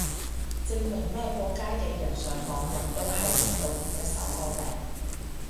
證明咩國家嘅人上網搵都係搵到同一首歌名